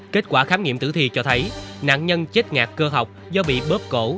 kết quả khám nghiệm tử thi cho thấy nạn nhân chết ngạc cơ học do bị bớt cổ